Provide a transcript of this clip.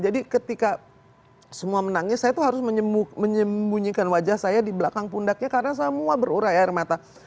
jadi ketika semua menangis saya tuh harus menyembunyikan wajah saya di belakang pundaknya karena semua berurah air mata